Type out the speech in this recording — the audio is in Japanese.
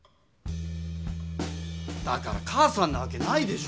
だから母さんなわけないでしょ。